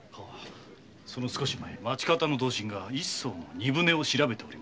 その少し前町方の同心が一隻の荷船を調べておりました。